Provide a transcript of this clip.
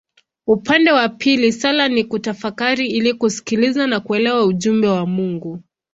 Upande wa pili sala ni kutafakari ili kusikiliza na kuelewa ujumbe wa Mungu.